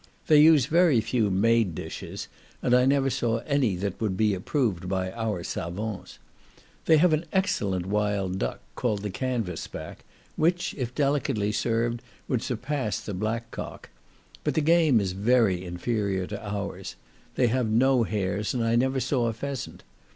They use very few made dishes, and I never saw any that would be approved by our savants. They have an excellent wild duck, called the Canvass Back, which, if delicately served, would surpass the black cock; but the game is very inferior to our's; they have no hares, and I never saw a pheasant.